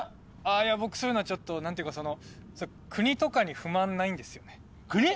いや僕そういうのはちょっと何ていうかその国とかに不満ないんですよね国？